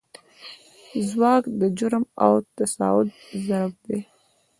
ځواک د جرم او تساعد ضرب دی.